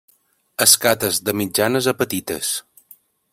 Escates de mitjanes a petites.